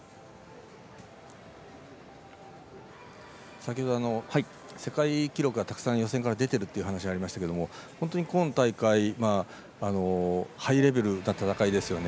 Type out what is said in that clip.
先ほど世界記録がたくさん予選から出てるという話がありましたけど本当に今大会ハイレベルな戦いですよね。